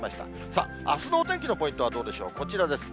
さあ、あすのお天気のポイントはどうでしょう、こちらです。